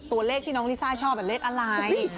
ตัวเลขที่น้องลิซ่าชอบเลขอะไร